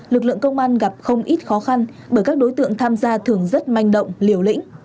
lực lượng công an gặp không ít khó khăn bởi các đối tượng tham gia thường rất manh động liều lĩnh